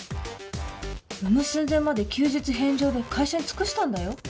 産む寸前まで休日返上で会社に尽くしたんだよ？